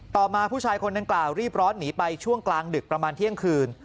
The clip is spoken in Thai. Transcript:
มาผู้ชายคนดังกล่าวรีบร้อนหนีไปช่วงกลางดึกประมาณเที่ยงคืน